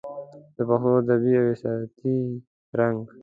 د پښتو ادبي او احساساتي رنګ